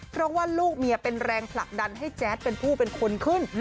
เพราะว่าลูกเมียเป็นแรงผลักดันให้แจ๊ดเป็นผู้เป็นคนขึ้น